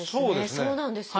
そうなんですよ。